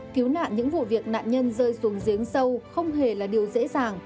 cứu nạn những vụ việc nạn nhân rơi xuống giếng sâu không hề là điều dễ dàng